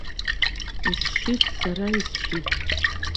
Исшьит, сара исшьит.